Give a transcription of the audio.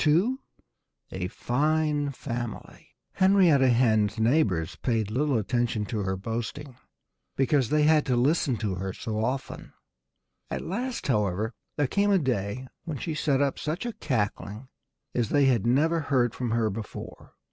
II A FINE FAMILY Henrietta Hen's neighbors paid little attention to her boasting, because they had to listen to it so often. At last, however, there came a day when she set up such a cackling as they had never heard from her before.